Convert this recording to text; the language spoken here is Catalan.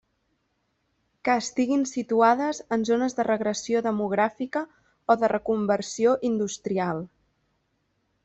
Que estiguen situades en zones de regressió demogràfica o de reconversió industrial.